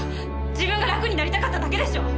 自分が楽になりたかっただけでしょ。